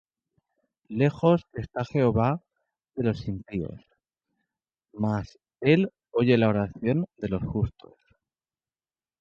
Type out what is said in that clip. Lejos está Jehová de los impíos: Mas él oye la oración de los justos.